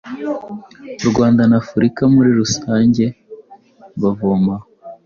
u Rwanda na Afurika muri rusange bavoma aho